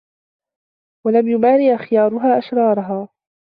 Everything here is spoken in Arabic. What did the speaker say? وَلَمْ يُمَارِ أَخْيَارُهَا أَشْرَارَهَا